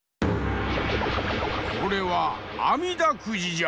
これは「あみだくじ」じゃ！